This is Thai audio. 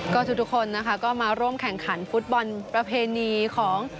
ก็ทุกคนนะคะก็มาร่วมแข่งขันฟุตบอลประเพณีของ